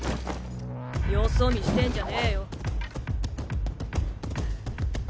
よそ見してんじゃねぇよ。